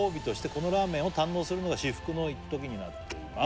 「このラーメンを堪能するのが至福の一時になっています」